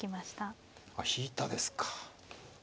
あっ引いたですか。